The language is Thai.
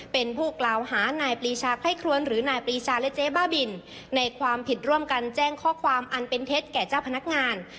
เป็นผู้กล่าวหานายปรีชาไข้ครวนหรือนายปรีชาและเจ๊บ้าบินในความผิดร่วมกันแจ้งข้อความอันเป็นเท็จแก่เจ้าพนักงาน